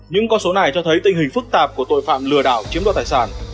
những con số này cho thấy tình hình phức tạp của tội phạm lừa đảo chiếm đoạt tài sản